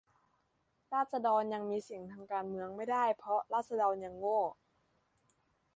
ราษฎรยังมีเสียงทางการเมืองไม่ได้ เพราะราษฎรยังโง่